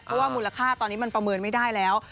เพราะว่ามูลค่าตอนนี้มันประเมินไม่ได้แล้ว